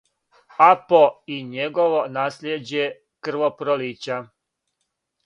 "Апо" и његово наслијеđе крвопролића"